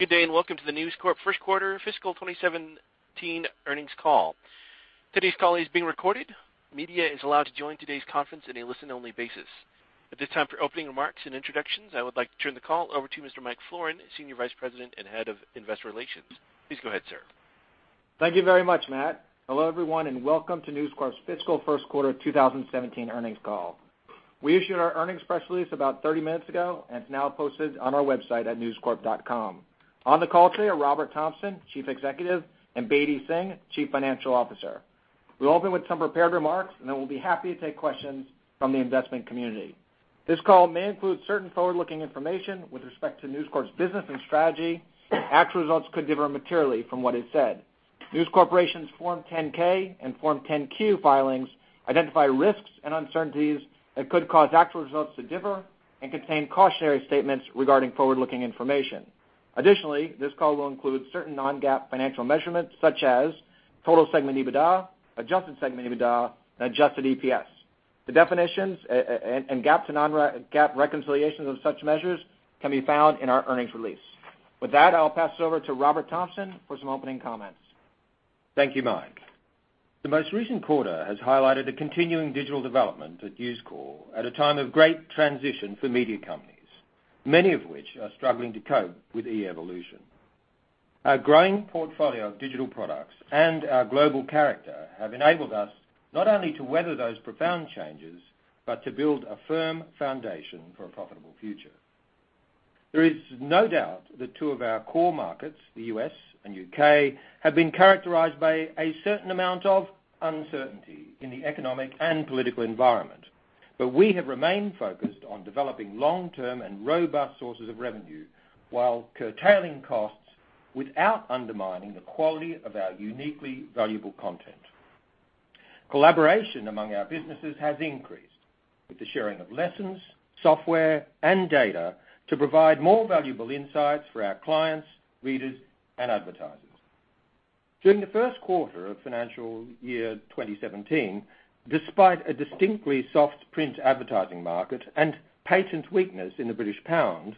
Good day. Welcome to the News Corp first quarter fiscal 2017 earnings call. Today's call is being recorded. Media is allowed to join today's conference in a listen-only basis. At this time, for opening remarks and introductions, I would like to turn the call over to Mr. Mike Florin, Senior Vice President and Head of Investor Relations. Please go ahead, sir. Thank you very much, Matt. Hello, everyone. Welcome to News Corp's fiscal first quarter 2017 earnings call. We issued our earnings press release about 30 minutes ago, and it's now posted on our website at newscorp.com. On the call today are Robert Thomson, Chief Executive, and Bedi Singh, Chief Financial Officer. We'll open with some prepared remarks. Then we'll be happy to take questions from the investment community. This call may include certain forward-looking information with respect to News Corp's business and strategy. Actual results could differ materially from what is said. News Corporation's Form 10-K and Form 10-Q filings identify risks and uncertainties that could cause actual results to differ and contain cautionary statements regarding forward-looking information. Additionally, this call will include certain non-GAAP financial measurements such as total segment EBITDA, adjusted segment EBITDA, and adjusted EPS. The definitions and GAAP to non-GAAP reconciliations of such measures can be found in our earnings release. With that, I'll pass it over to Robert Thomson for some opening comments. Thank you, Mike. The most recent quarter has highlighted the continuing digital development at News Corp at a time of great transition for media companies, many of which are struggling to cope with e-evolution. Our growing portfolio of digital products and our global character have enabled us not only to weather those profound changes, but to build a firm foundation for a profitable future. There is no doubt that two of our core markets, the U.S. and U.K., have been characterized by a certain amount of uncertainty in the economic and political environment. We have remained focused on developing long-term and robust sources of revenue while curtailing costs without undermining the quality of our uniquely valuable content. Collaboration among our businesses has increased with the sharing of lessons, software, and data to provide more valuable insights for our clients, readers, and advertisers. During the first quarter of financial year 2017, despite a distinctly soft print advertising market and patent weakness in the British pound,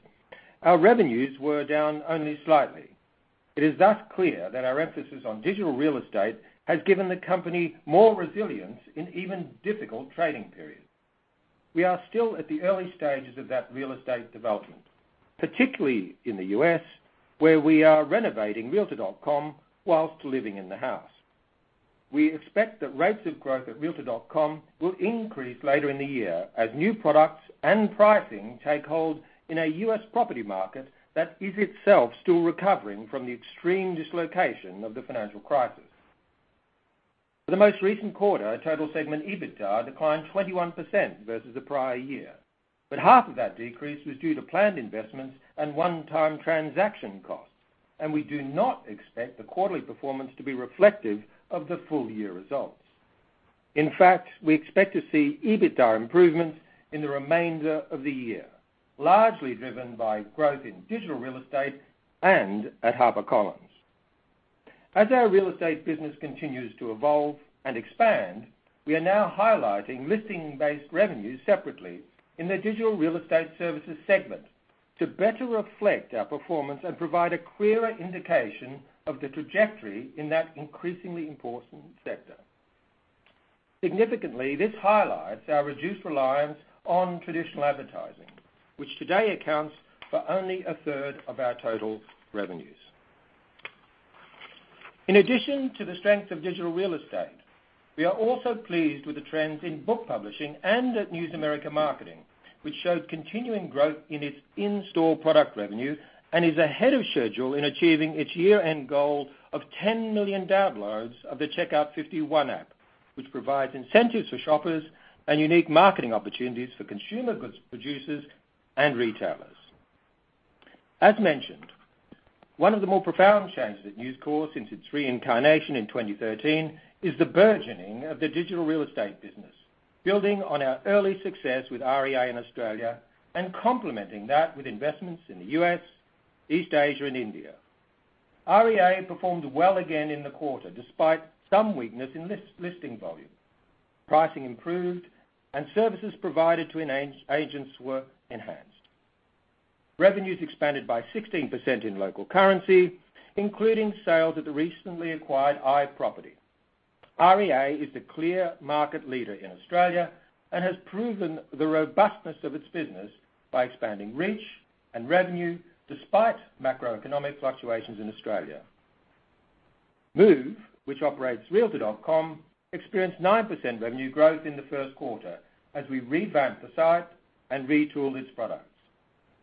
our revenues were down only slightly. It is thus clear that our emphasis on digital real estate has given the company more resilience in even difficult trading periods. We are still at the early stages of that real estate development, particularly in the U.S., where we are renovating realtor.com whilst living in the house. We expect that rates of growth at realtor.com will increase later in the year as new products and pricing take hold in a U.S. property market that is itself still recovering from the extreme dislocation of the financial crisis. For the most recent quarter, total segment EBITDA declined 21% versus the prior year. Half of that decrease was due to planned investments and one-time transaction costs, and we do not expect the quarterly performance to be reflective of the full-year results. In fact, we expect to see EBITDA improvements in the remainder of the year, largely driven by growth in digital real estate and at HarperCollins. As our real estate business continues to evolve and expand, we are now highlighting listing-based revenues separately in the digital real estate services segment to better reflect our performance and provide a clearer indication of the trajectory in that increasingly important sector. Significantly, this highlights our reduced reliance on traditional advertising, which today accounts for only a third of our total revenues. In addition to the strength of digital real estate, we are also pleased with the trends in book publishing and at News America Marketing, which showed continuing growth in its in-store product revenue and is ahead of schedule in achieving its year-end goal of 10 million downloads of the Checkout 51 app, which provides incentives for shoppers and unique marketing opportunities for consumer goods producers and retailers. As mentioned, one of the more profound changes at News Corp since its reincarnation in 2013 is the burgeoning of the digital real estate business, building on our early success with REA in Australia and complementing that with investments in the U.S., East Asia, and India. REA performed well again in the quarter, despite some weakness in listing volume. Pricing improved and services provided to agents were enhanced. Revenues expanded by 16% in local currency, including sales of the recently acquired iProperty. REA is the clear market leader in Australia and has proven the robustness of its business by expanding reach and revenue despite macroeconomic fluctuations in Australia. Move, which operates realtor.com, experienced 9% revenue growth in the first quarter as we revamp the site and retool its products.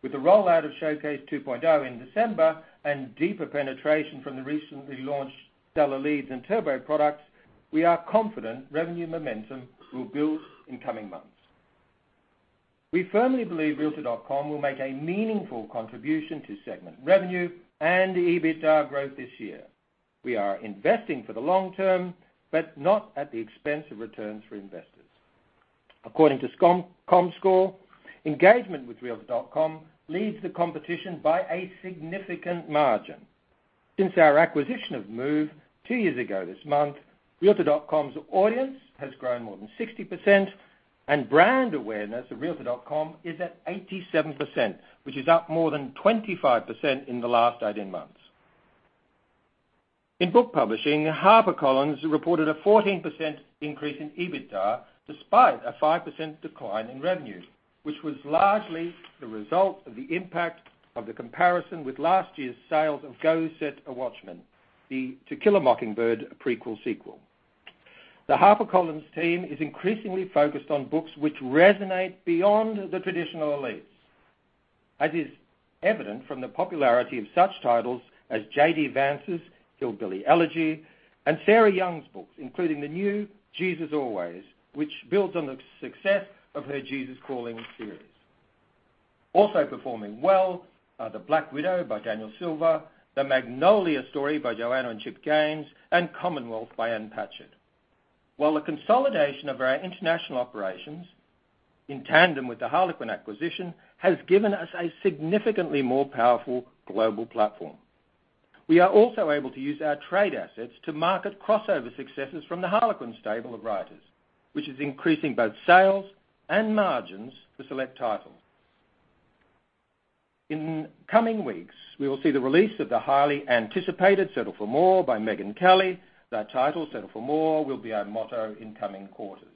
With the rollout of Showcase 2.0 in December and deeper penetration from the recently launched Seller Leads and Turbo products, we are confident revenue momentum will build in coming months. We firmly believe realtor.com will make a meaningful contribution to segment revenue and the EBITDA growth this year. We are investing for the long term, but not at the expense of returns for investors. According to Comscore, engagement with realtor.com leads the competition by a significant margin. Since our acquisition of Move 2 years ago this month, realtor.com's audience has grown more than 60%, and brand awareness of realtor.com is at 87%, which is up more than 25% in the last 18 months. In book publishing, HarperCollins reported a 14% increase in EBITDA, despite a 5% decline in revenue, which was largely the result of the impact of the comparison with last year's sales of "Go Set a Watchman," the "To Kill a Mockingbird" prequel sequel. The HarperCollins team is increasingly focused on books which resonate beyond the traditional elites, as is evident from the popularity of such titles as J.D. Vance's "Hillbilly Elegy" and Sarah Young's books, including the new "Jesus Always," which builds on the success of her "Jesus Calling" series. Also performing well are "The Black Widow" by Daniel Silva, "The Magnolia Story" by Joanna and Chip Gaines, and "Commonwealth" by Ann Patchett. The consolidation of our international operations in tandem with the Harlequin acquisition has given us a significantly more powerful global platform. We are also able to use our trade assets to market crossover successes from the Harlequin stable of writers, which is increasing both sales and margins for select titles. In coming weeks, we will see the release of the highly anticipated "Settle for More" by Megyn Kelly. That title, "Settle for More," will be our motto in coming quarters.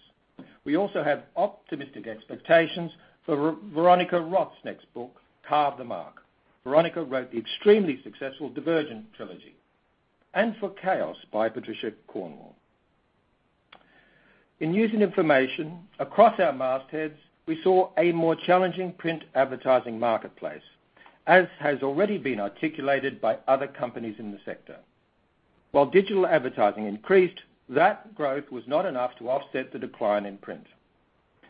We also have optimistic expectations for Veronica Roth's next book, "Carve the Mark." Veronica wrote the extremely successful "Divergent" trilogy. For "Chaos" by Patricia Cornwell. In news and information across our mastheads, we saw a more challenging print advertising marketplace, as has already been articulated by other companies in the sector. Digital advertising increased, that growth was not enough to offset the decline in print.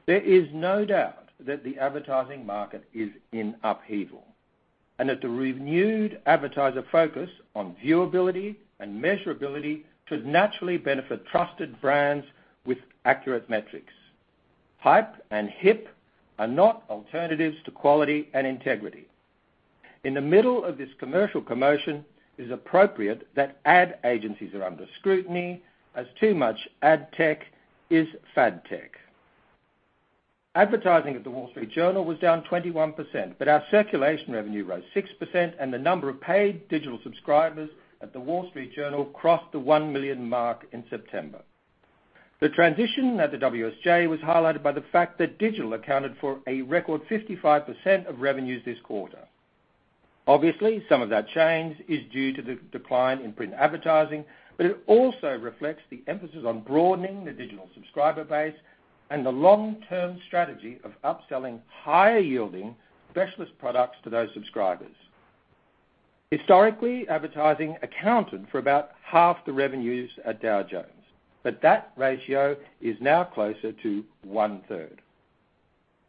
There is no doubt that the advertising market is in upheaval, and that the renewed advertiser focus on viewability and measurability should naturally benefit trusted brands with accurate metrics. Hype and hip are not alternatives to quality and integrity. In the middle of this commercial commotion, it is appropriate that ad agencies are under scrutiny, as too much ad tech is fad tech. Advertising at "The Wall Street Journal" was down 21%, but our circulation revenue rose 6%, and the number of paid digital subscribers at "The Wall Street Journal" crossed the 1 million mark in September. The transition at the WSJ was highlighted by the fact that digital accounted for a record 55% of revenues this quarter. Obviously, some of that change is due to the decline in print advertising, but it also reflects the emphasis on broadening the digital subscriber base and the long-term strategy of upselling higher-yielding specialist products to those subscribers. Historically, advertising accounted for about half the revenues at Dow Jones, but that ratio is now closer to one-third.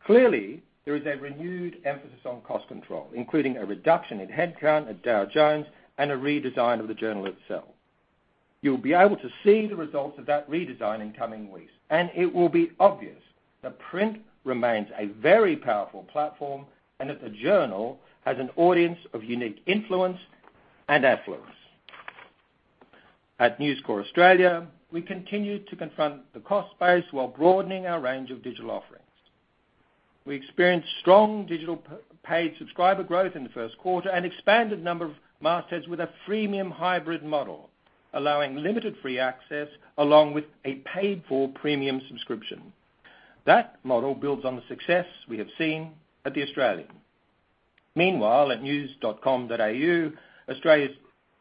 Clearly, there is a renewed emphasis on cost control, including a reduction in headcount at Dow Jones and a redesign of the Journal itself. You'll be able to see the results of that redesign in coming weeks, and it will be obvious that print remains a very powerful platform and that the Journal has an audience of unique influence and affluence. At News Corp Australia, we continue to confront the cost base while broadening our range of digital offerings. We experienced strong digital paid subscriber growth in the first quarter and expanded the number of mastheads with a freemium hybrid model, allowing limited free access along with a paid-for premium subscription. That model builds on the success we have seen at "The Australian." Meanwhile, at news.com.au, Australia's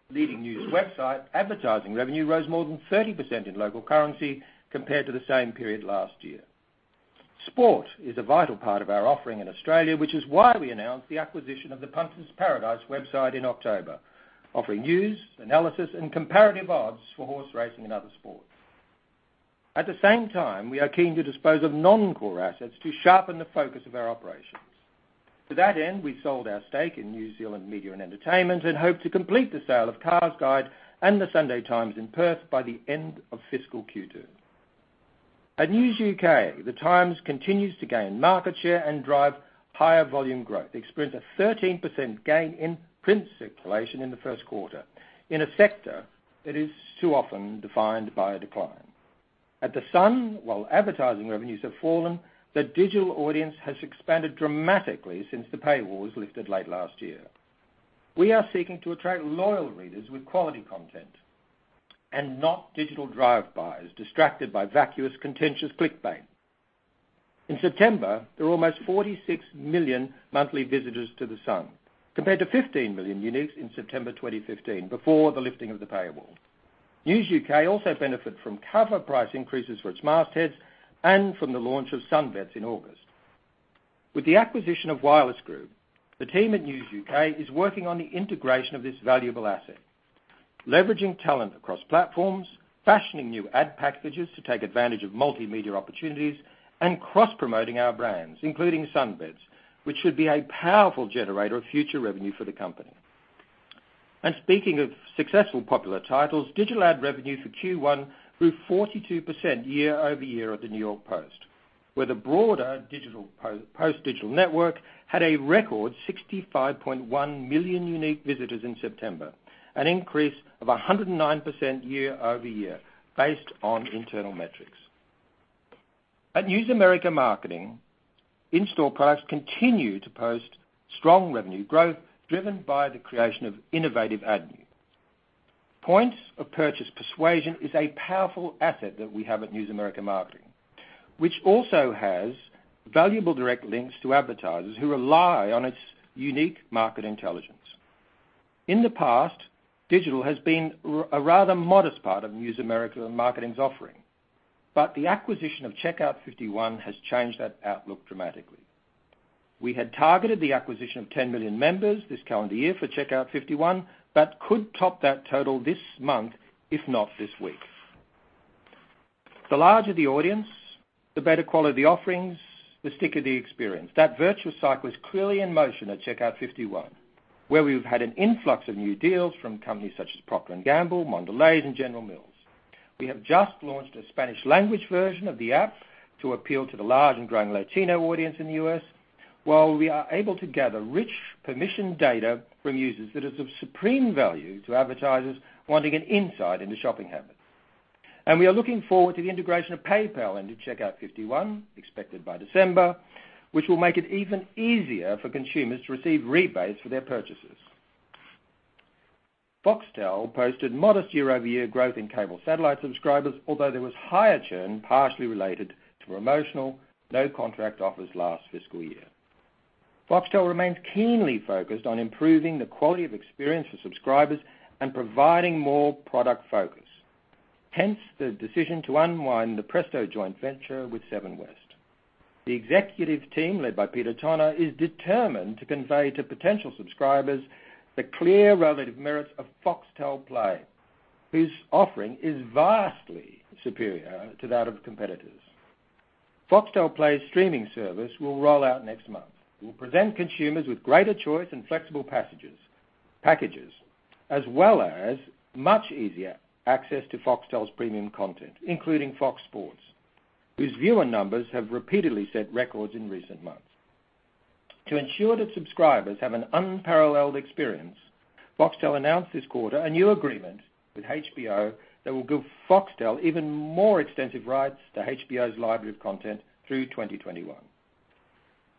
leading news website, advertising revenue rose more than 30% in local currency compared to the same period last year. Sport is a vital part of our offering in Australia, which is why we announced the acquisition of Punters.com.au in October, offering news, analysis, and comparative odds for horse racing and other sports. At the same time, we are keen to dispose of non-core assets to sharpen the focus of our operations. To that end, we sold our stake in New Zealand Media and Entertainment and hope to complete the sale of CarsGuide and "The Sunday Times" in Perth by the end of fiscal Q2. At News UK, "The Times" continues to gain market share and drive higher volume growth. It experienced a 13% gain in print circulation in the first quarter in a sector that is too often defined by a decline. At "The Sun," while advertising revenues have fallen, the digital audience has expanded dramatically since the paywall was lifted late last year. We are seeking to attract loyal readers with quality content and not digital drive-bys distracted by vacuous, contentious clickbait. In September, there were almost 46 million monthly visitors to "The Sun," compared to 15 million uniques in September 2015 before the lifting of the paywall. News UK also benefited from cover price increases for its mastheads and from the launch of Sun Bets in August. With the acquisition of Wireless Group, the team at News UK is working on the integration of this valuable asset, leveraging talent across platforms, fashioning new ad packages to take advantage of multimedia opportunities, and cross-promoting our brands, including Sun Bets, which should be a powerful generator of future revenue for the company. Speaking of successful popular titles, digital ad revenue for Q1 grew 42% year-over-year at the "New York Post," where the broader post-digital network had a record 65.1 million unique visitors in September, an increase of 109% year-over-year based on internal metrics. At News America Marketing, in-store products continue to post strong revenue growth driven by the creation of innovative avenues. Points of purchase persuasion is a powerful asset that we have at News America Marketing, which also has valuable direct links to advertisers who rely on its unique market intelligence. In the past, digital has been a rather modest part of News America Marketing's offering, but the acquisition of Checkout 51 has changed that outlook dramatically. We had targeted the acquisition of 10 million members this calendar year for Checkout 51. That could top that total this month, if not this week. The larger the audience, the better quality the offerings, the stickier the experience. That virtual cycle is clearly in motion at Checkout 51, where we've had an influx of new deals from companies such as Procter & Gamble, Mondelez, and General Mills. We have just launched a Spanish language version of the app to appeal to the large and growing Latino audience in the U.S., while we are able to gather rich permission data from users that is of supreme value to advertisers wanting an insight into shopping habits. We are looking forward to the integration of PayPal into Checkout 51, expected by December, which will make it even easier for consumers to receive rebates for their purchases. Foxtel posted modest year-over-year growth in cable satellite subscribers, although there was higher churn partially related to promotional, no-contract offers last fiscal year. Foxtel remains keenly focused on improving the quality of experience for subscribers and providing more product focus, hence the decision to unwind the Presto joint venture with Seven West. The executive team, led by Peter Tonagh, is determined to convey to potential subscribers the clear relative merits of Foxtel Play, whose offering is vastly superior to that of competitors. Foxtel Play streaming service will roll out next month. It will present consumers with greater choice and flexible packages, as well as much easier access to Foxtel's premium content, including Fox Sports, whose viewer numbers have repeatedly set records in recent months. To ensure that subscribers have an unparalleled experience, Foxtel announced this quarter a new agreement with HBO that will give Foxtel even more extensive rights to HBO's library of content through 2021.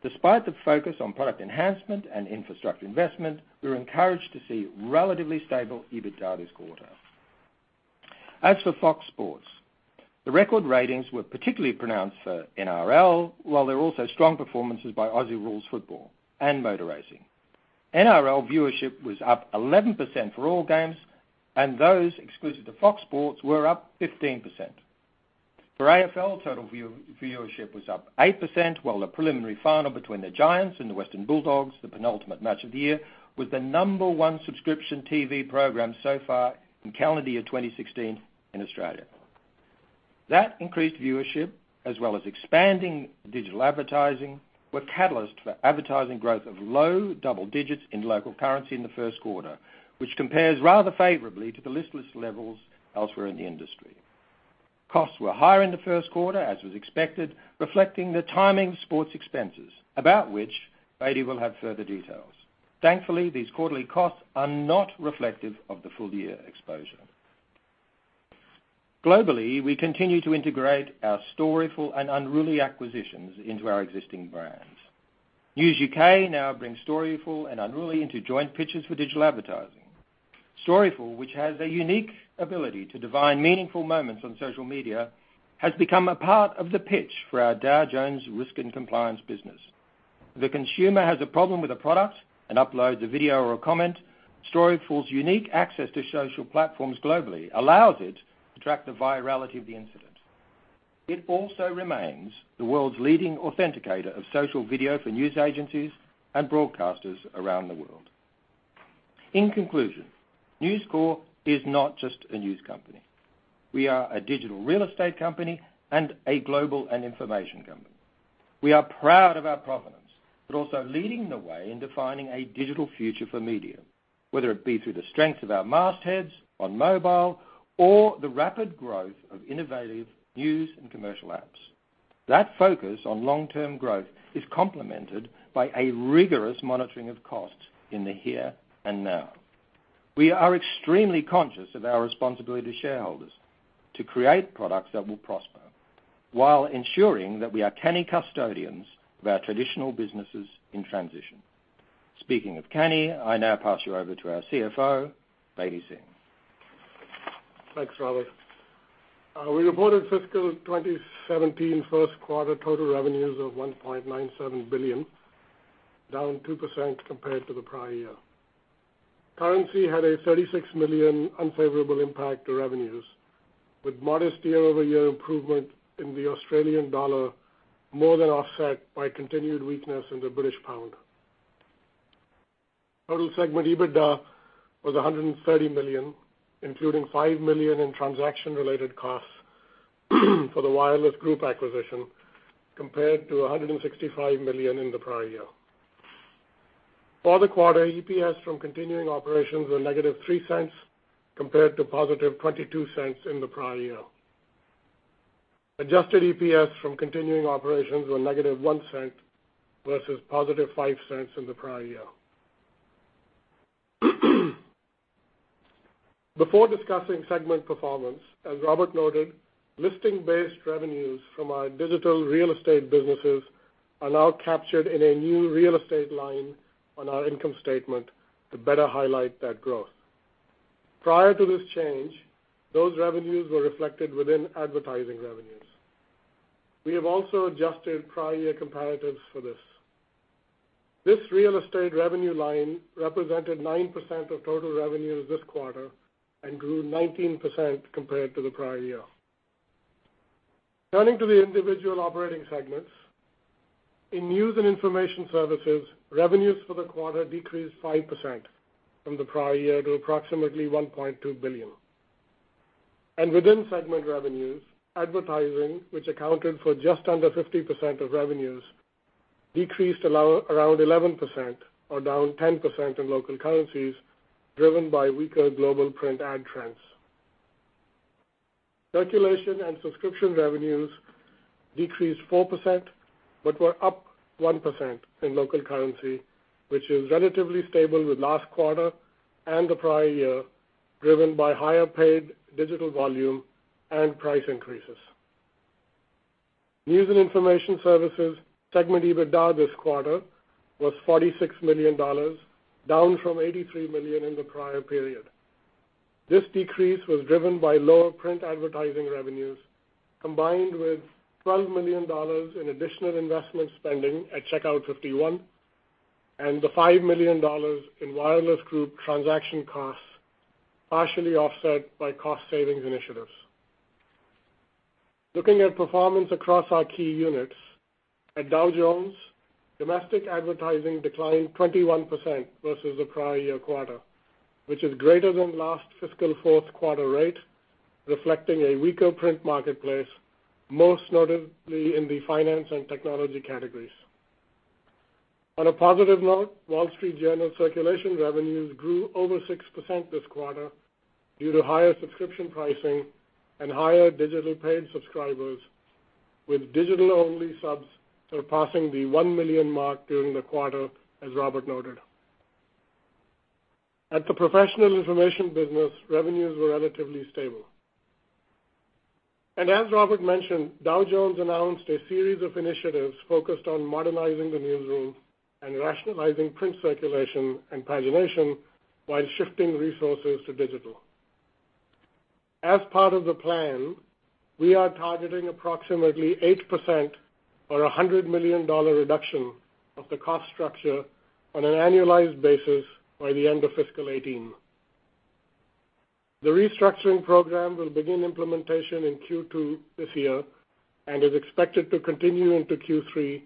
Despite the focus on product enhancement and infrastructure investment, we were encouraged to see relatively stable EBITDA this quarter. As for Fox Sports, the record ratings were particularly pronounced for NRL, while there were also strong performances by Aussie rules football and motor racing. NRL viewership was up 11% for all games, and those exclusive to Fox Sports were up 15%. For AFL, total viewership was up 8%, while the preliminary final between the Giants and the Western Bulldogs, the penultimate match of the year, was the number one subscription TV program so far in calendar year 2016 in Australia. That increased viewership, as well as expanding digital advertising, were catalysts for advertising growth of low double digits in local currency in the first quarter, which compares rather favorably to the listless levels elsewhere in the industry. Costs were higher in the first quarter, as was expected, reflecting the timing of sports expenses, about which Bedi Singh will have further details. Thankfully, these quarterly costs are not reflective of the full year exposure. Globally, we continue to integrate our Storyful and Unruly acquisitions into our existing brands. News UK now brings Storyful and Unruly into joint pitches for digital advertising. Storyful, which has a unique ability to divine meaningful moments on social media, has become a part of the pitch for our Dow Jones risk and compliance business. If the consumer has a problem with a product and uploads a video or a comment, Storyful's unique access to social platforms globally allows it to track the virality of the incident. It also remains the world's leading authenticator of social video for news agencies and broadcasters around the world. In conclusion, News Corp is not just a news company. We are a digital real estate company and a global and information company. We are proud of our provenance, also leading the way in defining a digital future for media, whether it be through the strength of our mastheads on mobile or the rapid growth of innovative news and commercial apps. That focus on long-term growth is complemented by a rigorous monitoring of costs in the here and now. We are extremely conscious of our responsibility to shareholders to create products that will prosper while ensuring that we are canny custodians of our traditional businesses in transition. Speaking of canny, I now pass you over to our CFO, Bedi Singh. Thanks, Robert. We reported fiscal 2017 first quarter total revenues of $1.97 billion, down 2% compared to the prior year. Currency had a $36 million unfavorable impact to revenues, with modest year-over-year improvement in the Australian dollar more than offset by continued weakness in the British pound. Total segment EBITDA was $130 million, including $5 million in transaction-related costs for the Wireless Group acquisition, compared to $165 million in the prior year. For the quarter, EPS from continuing operations were negative $0.03 compared to positive $0.22 in the prior year. Adjusted EPS from continuing operations were negative $0.01 versus positive $0.05 in the prior year. Before discussing segment performance, as Robert noted, listing-based revenues from our digital real estate businesses are now captured in a new real estate line on our income statement to better highlight that growth. Prior to this change, those revenues were reflected within advertising revenues. We have also adjusted prior year comparatives for this. This real estate revenue line represented 9% of total revenues this quarter and grew 19% compared to the prior year. Turning to the individual operating segments. In news and information services, revenues for the quarter decreased 5% from the prior year to approximately $1.2 billion. Within segment revenues, advertising, which accounted for just under 50% of revenues, decreased around 11%, or down 10% in local currencies, driven by weaker global print ad trends. Circulation and subscription revenues decreased 4% but were up 1% in local currency, which is relatively stable with last quarter and the prior year, driven by higher paid digital volume and price increases. News and information services segment EBITDA this quarter was $46 million, down from $83 million in the prior period. This decrease was driven by lower print advertising revenues, combined with $12 million in additional investment spending at Checkout 51 and the $5 million in Wireless Group transaction costs, partially offset by cost savings initiatives. Looking at performance across our key units. At Dow Jones, domestic advertising declined 21% versus the prior year quarter, which is greater than last fiscal fourth quarter rate, reflecting a weaker print marketplace, most notably in the finance and technology categories. On a positive note, Wall Street Journal circulation revenues grew over 6% this quarter due to higher subscription pricing and higher digital paid subscribers, with digital-only subs surpassing the 1 million mark during the quarter, as Robert noted. At the professional information business, revenues were relatively stable. As Robert mentioned, Dow Jones announced a series of initiatives focused on modernizing the newsroom and rationalizing print circulation and pagination while shifting resources to digital. As part of the plan, we are targeting approximately 8% or $100 million reduction of the cost structure on an annualized basis by the end of fiscal 2018. The restructuring program will begin implementation in Q2 this year and is expected to continue into Q3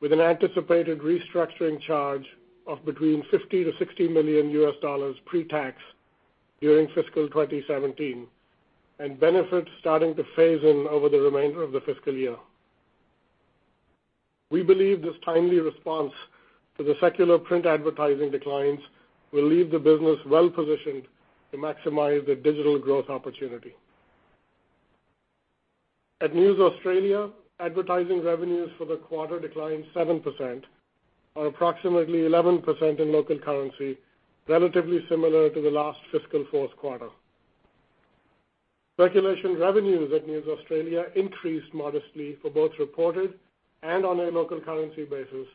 with an anticipated restructuring charge of between $50 million-$60 million U.S. pre-tax during fiscal 2017 and benefits starting to phase in over the remainder of the fiscal year. We believe this timely response to the secular print advertising declines will leave the business well-positioned to maximize the digital growth opportunity. At News Australia, advertising revenues for the quarter declined 7%, or approximately 11% in local currency, relatively similar to the last fiscal fourth quarter. Circulation revenues at News Australia increased modestly for both reported and on a local currency basis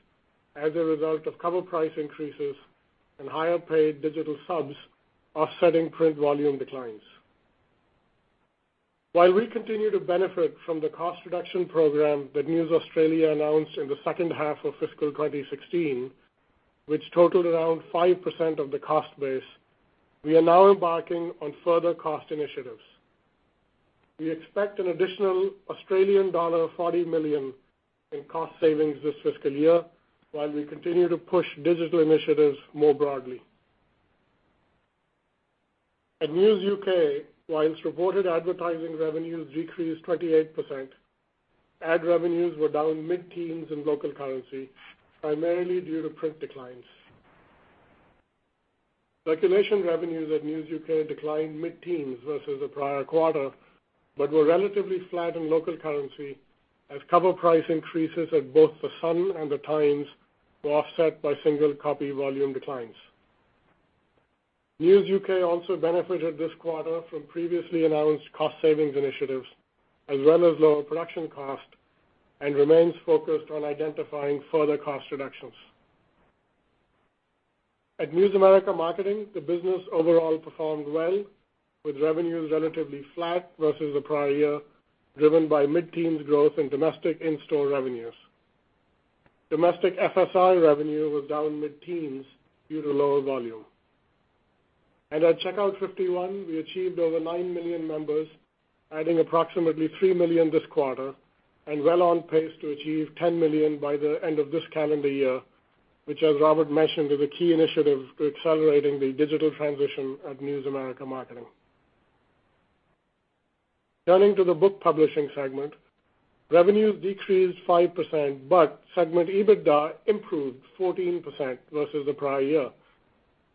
as a result of cover price increases and higher paid digital subs offsetting print volume declines. While we continue to benefit from the cost reduction program that News Australia announced in the second half of fiscal 2016, which totaled around 5% of the cost base, we are now embarking on further cost initiatives. We expect an additional Australian dollar 40 million in cost savings this fiscal year while we continue to push digital initiatives more broadly. At News UK, while its reported advertising revenues decreased 28%, ad revenues were down mid-teens in local currency, primarily due to print declines. Circulation revenues at News UK declined mid-teens versus the prior quarter but were relatively flat in local currency as cover price increases at both The Sun and The Times were offset by single copy volume declines. News UK also benefited this quarter from previously announced cost savings initiatives as well as lower production cost and remains focused on identifying further cost reductions. At News America Marketing, the business overall performed well with revenues relatively flat versus the prior year, driven by mid-teens growth in domestic in-store revenues. Domestic FSI revenue was down mid-teens due to lower volume. At Checkout 51, we achieved over nine million members, adding approximately three million this quarter and well on pace to achieve 10 million by the end of this calendar year, which as Robert mentioned, is a key initiative to accelerating the digital transition at News America Marketing. Turning to the book publishing segment, revenues decreased 5%, but segment EBITDA improved 14% versus the prior year,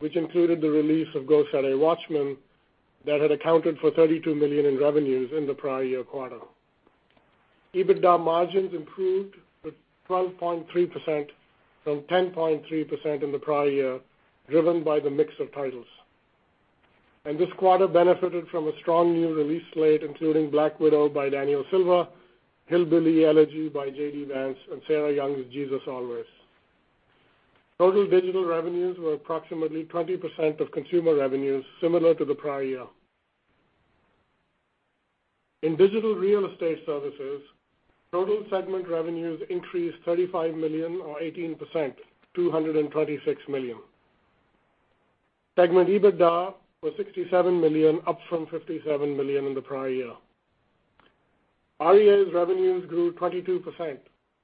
which included the release of "Go Set a Watchman" that had accounted for $32 million in revenues in the prior year quarter. EBITDA margins improved to 12.3% from 10.3% in the prior year, driven by the mix of titles. This quarter benefited from a strong new release slate, including "The Black Widow" by Daniel Silva, "Hillbilly Elegy" by J.D. Vance, and Sarah Young's "Jesus Always." Total digital revenues were approximately 20% of consumer revenues, similar to the prior year. In digital real estate services, total segment revenues increased $35 million or 18%, $236 million. Segment EBITDA was $67 million, up from $57 million in the prior year. REA Group's revenues grew 22%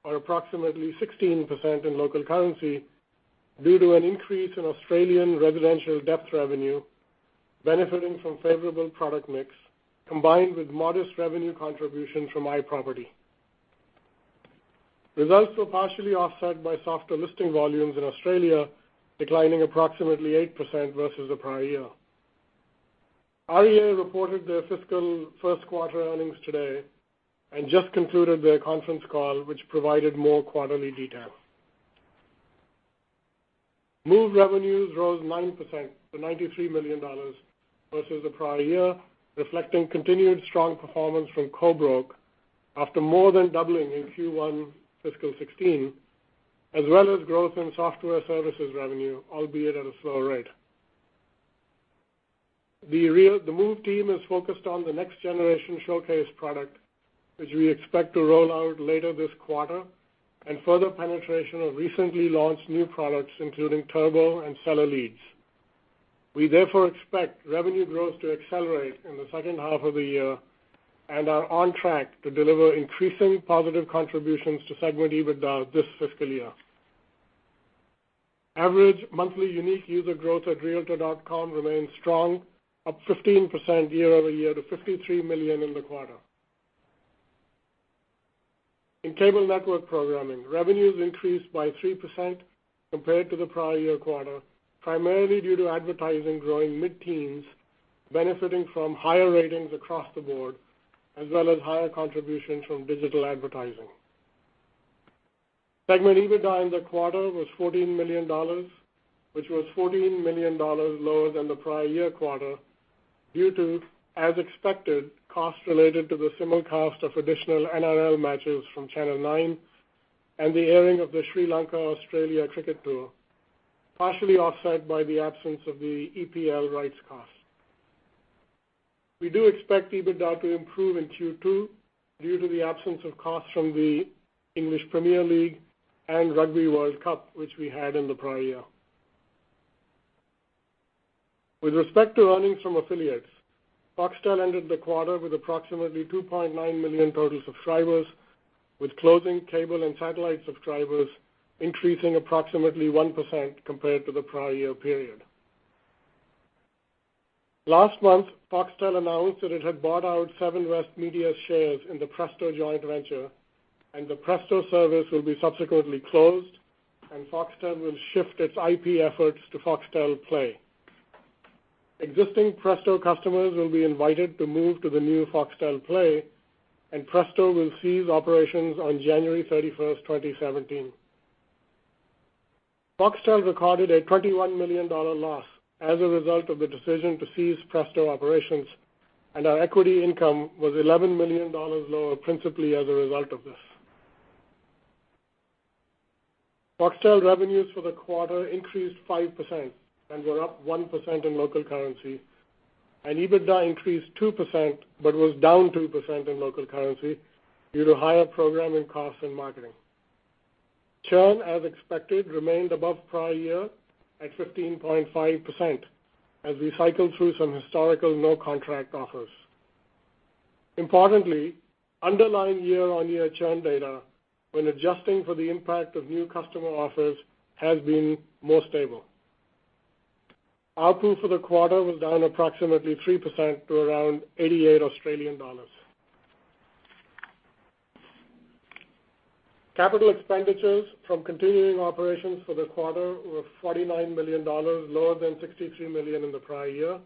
or approximately 16% in local currency due to an increase in Australian residential depth revenue benefiting from favorable product mix, combined with modest revenue contribution from iProperty. Results were partially offset by softer listing volumes in Australia, declining approximately 8% versus the prior year. REA Group reported their fiscal first quarter earnings today and just concluded their conference call, which provided more quarterly detail. Move, Inc. revenues rose 9% to $93 million versus the prior year, reflecting continued strong performance from CoBroke after more than doubling in Q1 fiscal 2016, as well as growth in software services revenue, albeit at a slower rate. The Move, Inc. team is focused on the next generation Showcase product, which we expect to roll out later this quarter, and further penetration of recently launched new products, including Turbo and Seller Leads. We expect revenue growth to accelerate in the second half of the year and are on track to deliver increasing positive contributions to segment EBITDA this fiscal year. Average monthly unique user growth at realtor.com remains strong, up 15% year-over-year to 53 million in the quarter. In cable network programming, revenues increased by 3% compared to the prior year quarter, primarily due to advertising growing mid-teens, benefiting from higher ratings across the board as well as higher contributions from digital advertising. Segment EBITDA in the quarter was $14 million, which was $14 million lower than the prior year quarter due to, as expected, costs related to the simulcast of additional NRL matches from Channel Nine and the airing of the Sri Lanka Australia cricket tour, partially offset by the absence of the EPL rights cost. We do expect EBITDA to improve in Q2 due to the absence of costs from the English Premier League and Rugby World Cup, which we had in the prior year. With respect to earnings from affiliates, Foxtel ended the quarter with approximately 2.9 million total subscribers, with closing cable and satellite subscribers increasing approximately 1% compared to the prior year period. Last month, Foxtel announced that it had bought out Seven West Media's shares in the Presto joint venture, and the Presto service will be subsequently closed, and Foxtel will shift its IP efforts to Foxtel Play. Existing Presto customers will be invited to move to the new Foxtel Play, and Presto will cease operations on January 31st, 2017. Foxtel recorded an 21 million dollar loss as a result of the decision to cease Presto operations, and our equity income was 11 million dollars lower, principally as a result of this. Foxtel revenues for the quarter increased 5% and were up 1% in local currency, and EBITDA increased 2% but was down 2% in local currency due to higher programming costs and marketing. Churn, as expected, remained above prior year at 15.5% as we cycled through some historical no-contract offers. Importantly, underlying year-on-year churn data, when adjusting for the impact of new customer offers, has been more stable. ARPU for the quarter was down approximately 3% to around 88 Australian dollars. Capital expenditures from continuing operations for the quarter were $49 million, lower than $63 million in the prior year.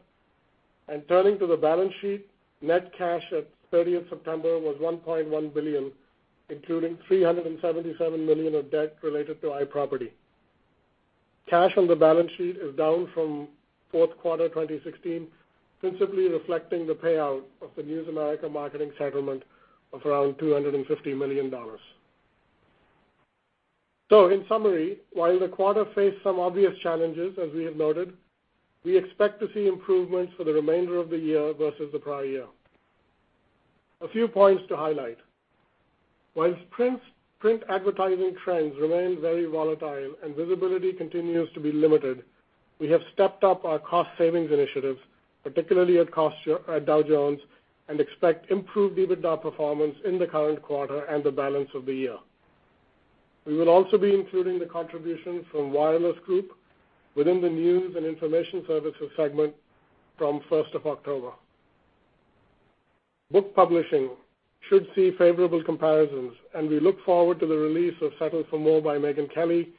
Turning to the balance sheet, net cash at September 30th was $1.1 billion, including $377 million of debt related to iProperty. Cash on the balance sheet is down from fourth quarter 2016, principally reflecting the payout of the News America Marketing settlement of around $250 million. In summary, while the quarter faced some obvious challenges, as we have noted, we expect to see improvements for the remainder of the year versus the prior year. A few points to highlight. While print advertising trends remain very volatile and visibility continues to be limited, we have stepped up our cost savings initiatives, particularly at Dow Jones, and expect improved EBITDA performance in the current quarter and the balance of the year. We will also be including the contributions from Wireless Group within the News and Information Services segment from 1st of October. Book publishing should see favorable comparisons, and we look forward to the release of "Settle for More" by Megyn Kelly,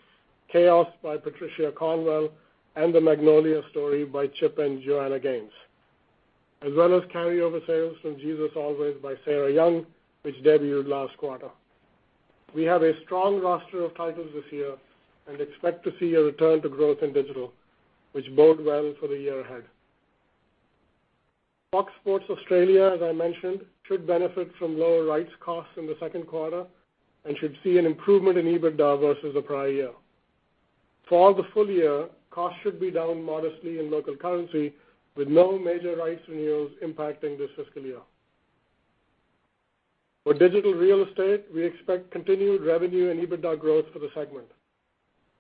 "Chaos" by Patricia Cornwell, and "The Magnolia Story" by Chip and Joanna Gaines, as well as carryover sales from "Jesus Always" by Sarah Young, which debuted last quarter. We have a strong roster of titles this year and expect to see a return to growth in digital, which bode well for the year ahead. FOX SPORTS Australia, as I mentioned, should benefit from lower rights costs in the second quarter and should see an improvement in EBITDA versus the prior year. For the full year, costs should be down modestly in local currency, with no major rights renewals impacting this fiscal year. For Digital Real Estate, we expect continued revenue and EBITDA growth for the segment.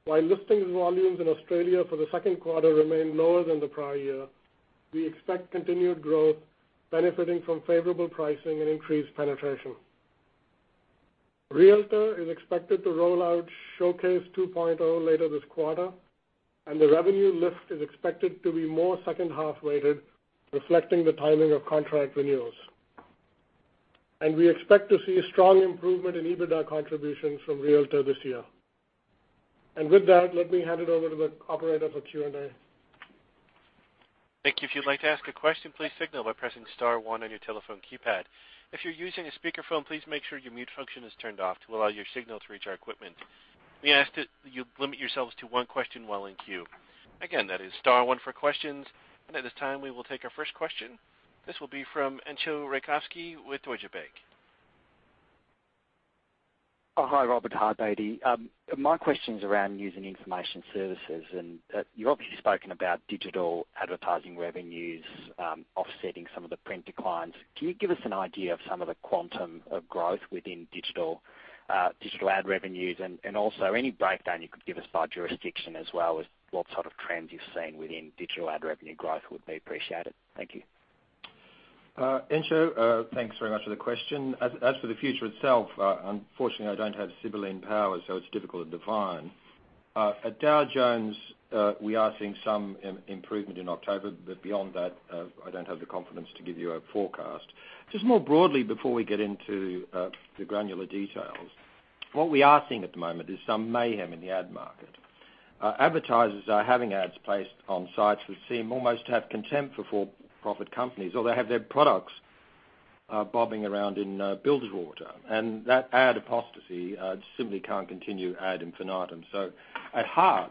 While listings volumes in Australia for the second quarter remain lower than the prior year, we expect continued growth benefiting from favorable pricing and increased penetration. Realtor is expected to roll out Showcase 2.0 later this quarter, and the revenue lift is expected to be more second-half weighted, reflecting the timing of contract renewals. We expect to see a strong improvement in EBITDA contributions from Realtor this year. With that, let me hand it over to the operator for Q&A. Thank you. If you'd like to ask a question, please signal by pressing *1 on your telephone keypad. If you're using a speakerphone, please make sure your mute function is turned off to allow your signal to reach our equipment. We ask that you limit yourselves to one question while in queue. Again, that is *1 for questions. At this time, we will take our first question. This will be from Entcho Raykovski with Deutsche Bank. Hi, Robert, hi, Bedi. My question's around News and Information Services. You've obviously spoken about digital advertising revenues offsetting some of the print declines. Can you give us an idea of some of the quantum of growth within digital ad revenues and also any breakdown you could give us by jurisdiction as well as what sort of trends you've seen within digital ad revenue growth would be appreciated. Thank you. Entcho, thanks very much for the question. As for the future itself, unfortunately, I don't have sibylline power, so it's difficult to define. At Dow Jones, we are seeing some improvement in October, beyond that, I don't have the confidence to give you a forecast. Just more broadly before we get into the granular details, what we are seeing at the moment is some mayhem in the ad market. Advertisers are having ads placed on sites that seem almost to have contempt for for-profit companies, or they have their products bobbing around in bilge water. That ad apostasy simply can't continue ad infinitum. At heart,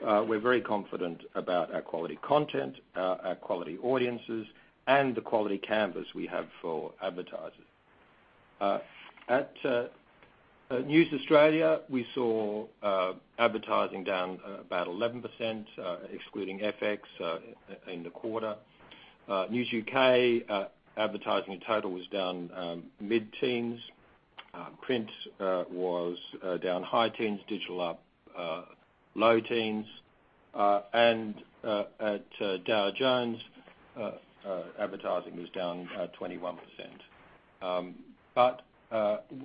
we're very confident about our quality content, our quality audiences, and the quality canvas we have for advertisers. At News Corp Australia, we saw advertising down about 11%, excluding FX in the quarter. News UK advertising in total was down mid-teens. Print was down high teens, digital up low teens. At Dow Jones, advertising was down 21%.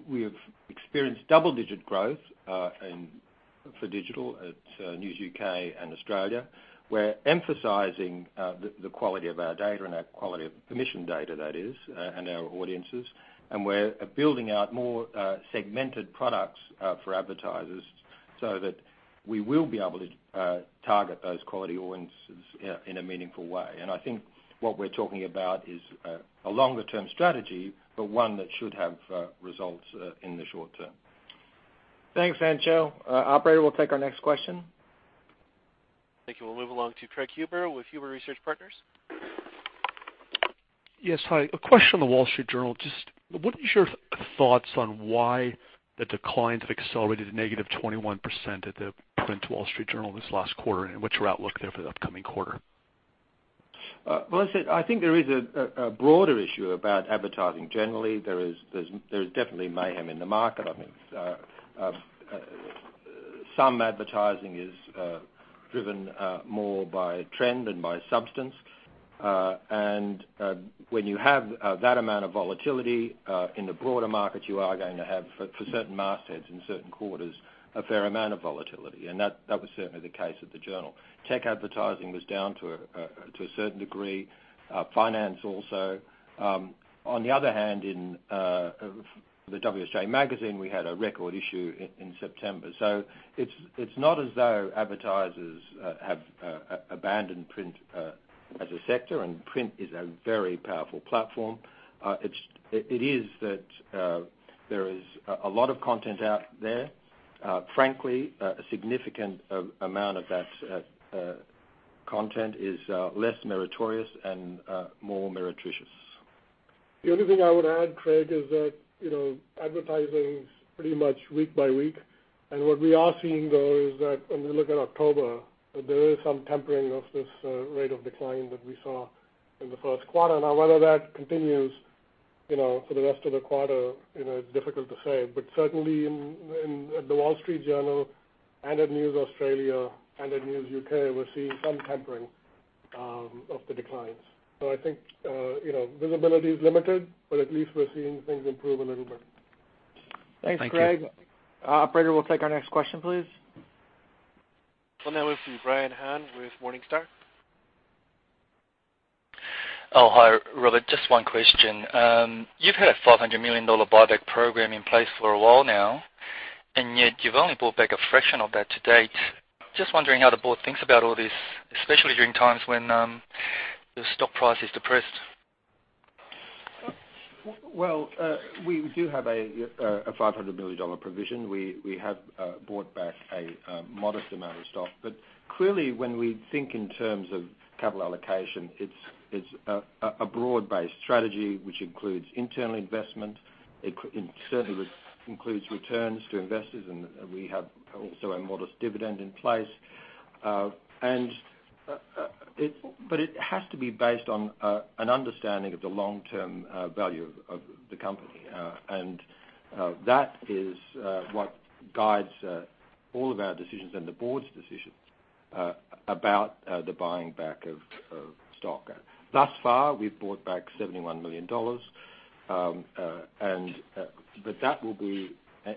We have experienced double-digit growth for digital at News UK and News Corp Australia. We're emphasizing the quality of our data and our quality of permission data, that is, and our audiences. We're building out more segmented products for advertisers so that we will be able to target those quality audiences in a meaningful way. I think what we're talking about is a longer-term strategy, but one that should have results in the short term. Thanks, Entcho. Operator, we'll take our next question. Thank you. We will move along to Craig Huber with Huber Research Partners. Yes, hi. A question on The Wall Street Journal. Just what is your thoughts on why the declines have accelerated negative 21% at the print Wall Street Journal this last quarter, and what is your outlook there for the upcoming quarter? Well, I said, I think there is a broader issue about advertising generally. There is definitely mayhem in the market. I think some advertising is driven more by trend than by substance. When you have that amount of volatility in the broader market, you are going to have, for certain mastheads in certain quarters, a fair amount of volatility. That was certainly the case at the Journal. Tech advertising was down to a certain degree, finance also. On the other hand, in the WSJ. Magazine, we had a record issue in September. It is not as though advertisers have abandoned print as a sector, and print is a very powerful platform. It is that there is a lot of content out there. Frankly, a significant amount of that content is less meritorious and more meretricious. The only thing I would add, Craig, is that advertising is pretty much week by week. What we are seeing, though, is that when we look at October, there is some tempering of this rate of decline that we saw in the first quarter. Whether that continues for the rest of the quarter, it is difficult to say. Certainly at The Wall Street Journal and at News Australia and at News UK, we are seeing some tempering of the declines. I think visibility is limited, but at least we are seeing things improve a little bit. Thanks, Craig. Thank you. Operator, we'll take our next question, please. We'll now move to Brian Han with Morningstar. Oh, hi, Robert. Just one question. You've had a $500 million buyback program in place for a while now. Yet you've only bought back a fraction of that to date. Just wondering how the board thinks about all this, especially during times when the stock price is depressed. Well, we do have a $500 million provision. We have bought back a modest amount of stock. Clearly, when we think in terms of capital allocation, it's a broad-based strategy, which includes internal investment. It certainly includes returns to investors. We have also a modest dividend in place. It has to be based on an understanding of the long-term value of the company. That is what guides all of our decisions and the board's decisions about the buying back of stock. Thus far, we've bought back $71 million.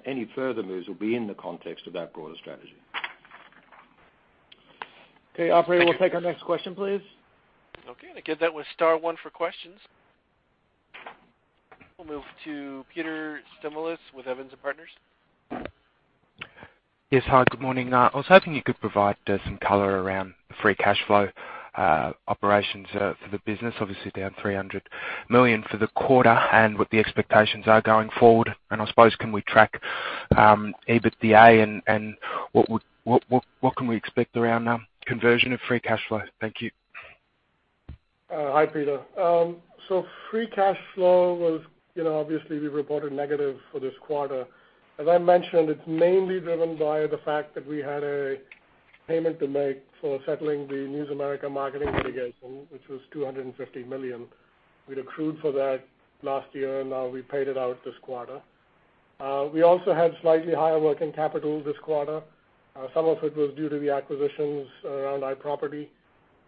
Any further moves will be in the context of that broader strategy. Okay, operator, we'll take our next question, please. Okay. Again, that was star one for questions. We'll move to [Peter Stimolous] with Evans & Partners. Yes. Hi, good morning. I was hoping you could provide some color around the free cash flow operations for the business, obviously down $300 million for the quarter, what the expectations are going forward. I suppose, can we track EBITDA and what can we expect around conversion of free cash flow? Thank you. Hi, Peter. Free cash flow, obviously we reported negative for this quarter. As I mentioned, it's mainly driven by the fact that we had a payment to make for settling the News America Marketing litigation, which was $250 million. We'd accrued for that last year, now we paid it out this quarter. We also had slightly higher working capital this quarter. Some of it was due to the acquisitions around iProperty.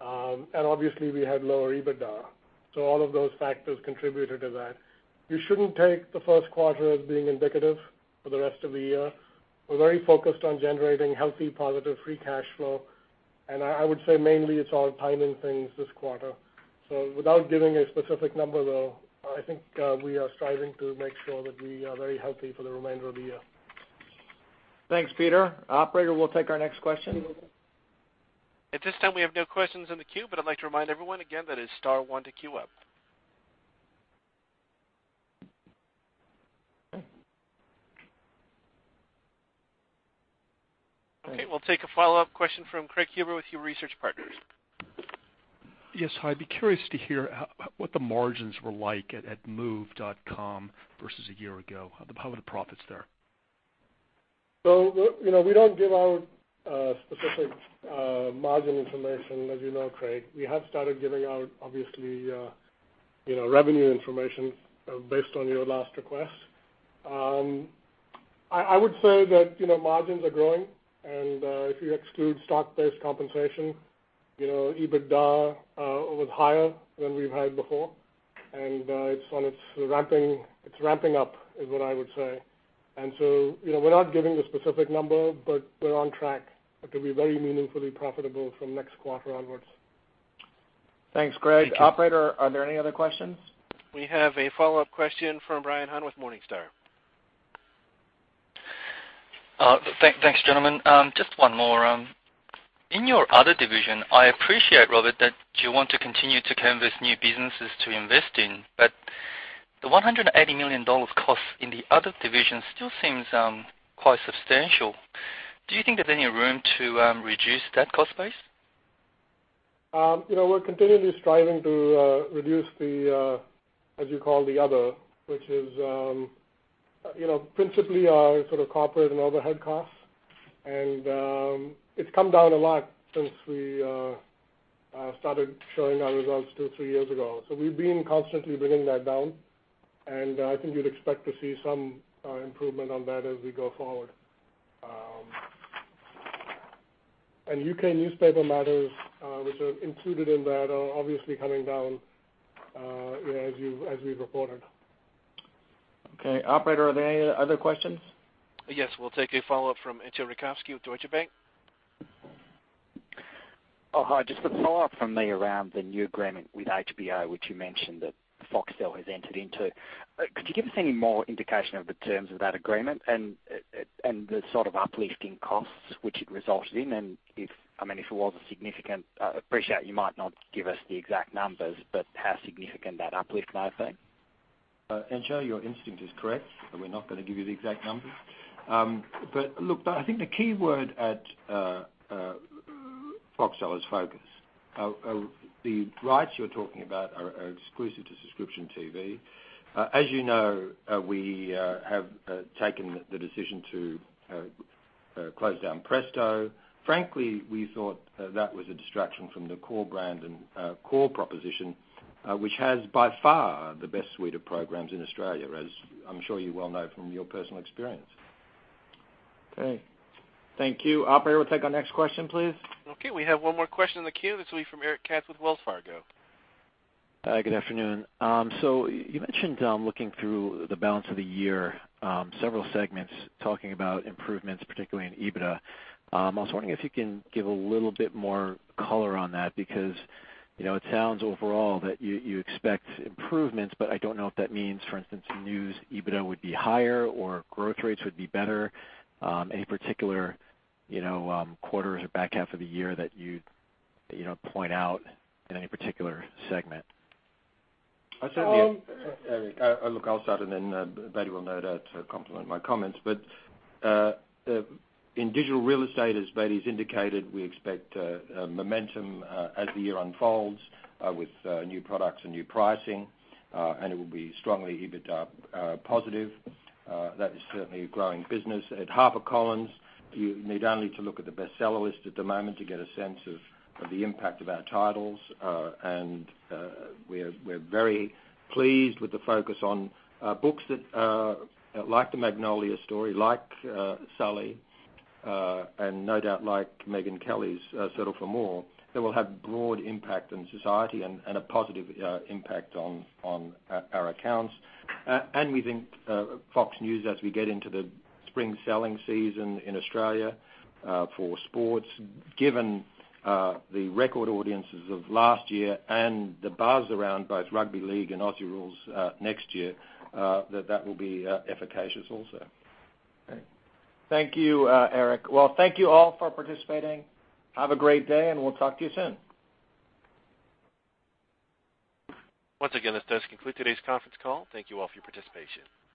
Obviously we had lower EBITDA. All of those factors contributed to that. You shouldn't take the first quarter as being indicative for the rest of the year. We're very focused on generating healthy, positive free cash flow. I would say mainly it's all timing things this quarter. Without giving a specific number, though, I think we are striving to make sure that we are very healthy for the remainder of the year. Thanks, Peter. Operator, we'll take our next question. At this time, we have no questions in the queue, I'd like to remind everyone again that it is star one to queue up. We'll take a follow-up question from Craig Huber with Huber Research Partners. Yes. Hi. I'd be curious to hear what the margins were like at move.com versus a year ago. How were the profits there? We don't give out specific margin information as you know, Craig. We have started giving out, obviously, revenue information based on your last request. I would say that margins are growing, and if you exclude stock-based compensation, EBITDA was higher than we've had before. It's ramping up, is what I would say. We're not giving a specific number, but we're on track to be very meaningfully profitable from next quarter onwards. Thanks, Craig. Thank you. Operator, are there any other questions? We have a follow-up question from Brian Han with Morningstar. Thanks, gentlemen. Just one more. In your other division, I appreciate, Robert, that you want to continue to canvas new businesses to invest in, the $180 million cost in the other division still seems quite substantial. Do you think there's any room to reduce that cost base? We're continually striving to reduce the, as you call, the other, which is principally our sort of corporate and overhead costs. It's come down a lot since we started showing our results two, three years ago. We've been constantly bringing that down, and I think you'd expect to see some improvement on that as we go forward. U.K. newspaper matters, which are included in that, are obviously coming down, as we've reported. Okay. Operator, are there any other questions? Yes. We'll take a follow-up from Entcho Raykovski with Deutsche Bank. Hi. Just a follow-up from me around the new agreement with HBO, which you mentioned that Foxtel has entered into. Could you give us any more indication of the terms of that agreement and the sort of uplifting costs which it resulted in? I mean, I appreciate you might not give us the exact numbers, but how significant that uplift may have been? Entcho, your instinct is correct. We're not going to give you the exact numbers. Look, I think the key word at Foxtel is focus. The rights you're talking about are exclusive to subscription TV. As you know, we have taken the decision to close down Presto. Frankly, we thought that was a distraction from the core brand and core proposition, which has by far the best suite of programs in Australia, as I'm sure you well know from your personal experience. Okay. Thank you. Operator, we'll take our next question, please. Okay, we have one more question in the queue. This will be from Eric Katz with Wells Fargo. Hi, good afternoon. You mentioned looking through the balance of the year, several segments talking about improvements, particularly in EBITDA. I was wondering if you can give a little bit more color on that because it sounds overall that you expect improvements, but I don't know if that means, for instance, News EBITDA would be higher or growth rates would be better. Any particular quarters or back half of the year that you'd point out in any particular segment? Eric, look, I'll start. Bedi will no doubt complement my comments. In digital real estate, as Bedi's indicated, we expect momentum as the year unfolds with new products and new pricing, and it will be strongly EBITDA positive. That is certainly a growing business. At HarperCollins, you need only to look at the bestseller list at the moment to get a sense of the impact of our titles. We're very pleased with the focus on books like "The Magnolia Story," like "Sully," no doubt like Megyn Kelly's "Settle for More," that will have broad impact on society and a positive impact on our accounts. We think Fox News, as we get into the spring selling season in Australia for sports, given the record audiences of last year and the buzz around both Rugby League and Aussie Rules next year, that that will be efficacious also. Great. Thank you, Eric. Well, thank you all for participating. Have a great day, and we'll talk to you soon. Once again, this does conclude today's conference call. Thank you all for your participation.